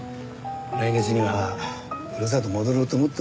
来月にはふるさと戻ろうと思ってます。